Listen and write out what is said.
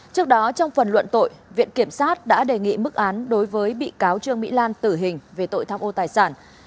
trước đó trong phần luận tội viện kiểm sát đã đề nghị mức án đối với bị cáo trương mỹ lan tử hình về tội tham ô tài sản